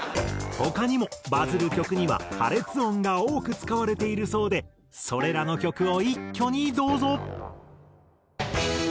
他にもバズる曲には破裂音が多く使われているそうでそれらの曲を一挙にどうぞ。